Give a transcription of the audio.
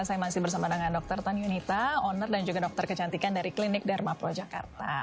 saya masih bersama dengan dr tan yunita owner dan juga dokter kecantikan dari klinik dharma pro jakarta